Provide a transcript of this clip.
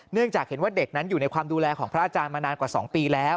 จากเห็นว่าเด็กนั้นอยู่ในความดูแลของพระอาจารย์มานานกว่า๒ปีแล้ว